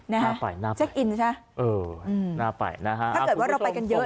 น่าไปน่าไปน่าไปถ้าเกิดว่าเราไปกันเยอะ